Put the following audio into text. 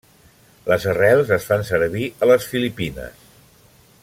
Les arrels es fan servir a les Filipines.